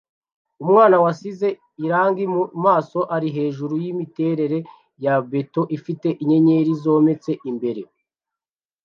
Umwana wasize irangi mu maso ari hejuru yimiterere ya beto ifite inyenyeri zometse imbere